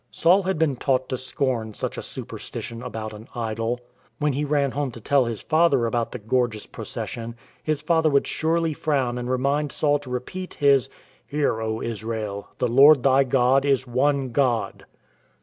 Saul had been taught to scorn such a superstition about an idol. When he ran home to tell his father about the gorgeous procession, his father would surely frown and remind Saul to repeat his " Hear, O Israel. The Lord thy God is one God."